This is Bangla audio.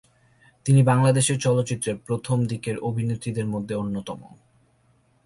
তিনি বাংলাদেশের চলচ্চিত্রের প্রথম দিকের অভিনেত্রীদের মধ্যে অন্যতম।